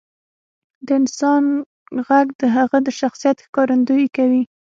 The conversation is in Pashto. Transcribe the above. • د انسان ږغ د هغه د شخصیت ښکارندویي کوي.